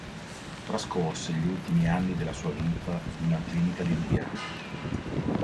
Trascorse gli ultimi anni della sua vita in una clinica di Lubiana.